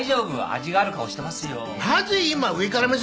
味がある顔してますよ。